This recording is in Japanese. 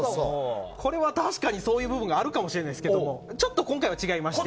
これは確かにそういう部分があるかもしれないですけどちょっと今回は違いまして。